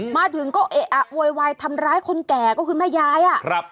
มาถึงก็เอะอะโวยวายทำร้ายคนแก่ก็คือแม่ยายอ่ะครับ